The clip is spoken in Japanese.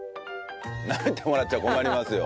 なめてもらっちゃ困りますよ。